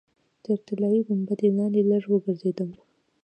تر طلایي ګنبدې لاندې لږ وګرځېدم.